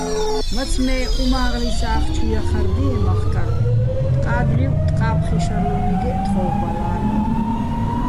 მაცმე́ უმა́ღლისა́ხ ჩუ ჲახარ დიეჼ მახკარვ, ტყა́დჵივჸ-ტყა́ფხი შარლუნიგეჸ თხო́ვბალა́რ.